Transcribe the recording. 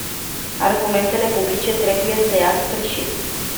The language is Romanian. Argumentele publice trebuie să ia sfârșit.